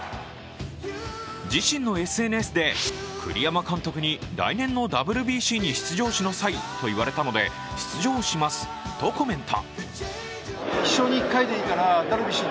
自身のＳＮＳで、栗山監督に、来年のＷＢＣに出場しなさいと言われたので出場しますとコメント。